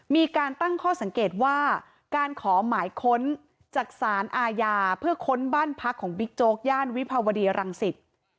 มีการตั้งข้อสังเกตว่าการขอหมายค้นจากสารอาญาเพื่อค้นบ้านพักของบิ๊กโจ๊กย่านวิภาวดีรังสิต